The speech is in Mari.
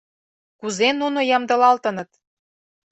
Кузе нуно ямдылалтыныт?